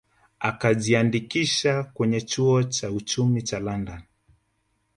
Akajiandikisha kwenye chuo cha uchumi cha London